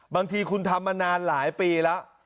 บางทีคุณทำมานานหลายปีแล้ว